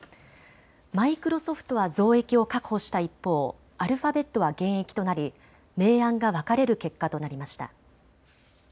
マイクロソフトは増益を確保した一方、アルファベットは減益となり明暗が分かれる結果となりました。